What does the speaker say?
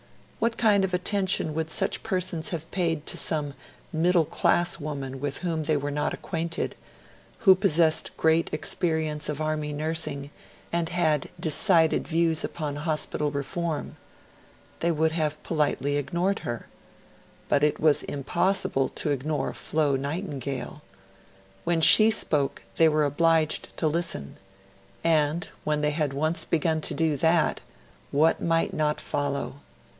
What kind of attention would such persons have paid to some middle class woman with whom they were not acquainted, who possessed great experience of Army nursing and had decided views upon hospital reform? They would have politely ignored her; but it was impossible to ignore Flo Nightingale. When she spoke, they were obliged to listen; and, when they had once begun to do that what might not follow?